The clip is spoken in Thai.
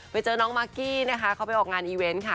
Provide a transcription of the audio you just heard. ไปเจอน้องมากกี้นะคะเขาไปออกงานอีเวนต์ค่ะ